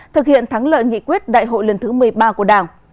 thực hiện thắng lợi nghị quyết đại hội lần thứ một mươi ba của đảng